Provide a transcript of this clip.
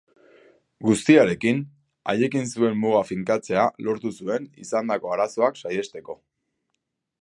Guztiarekin, haiekin zuen muga finkatzea lortu zuen izandako arazoak saihesteko.